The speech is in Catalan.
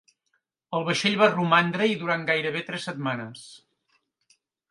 El vaixell va romandre-hi durant gairebé tres setmanes.